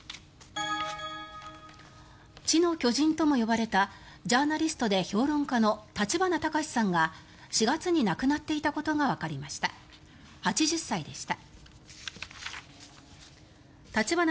知の巨人とも呼ばれたジャーナリストで評論家の立花隆さんが４月に亡くなっていたことがわかりました。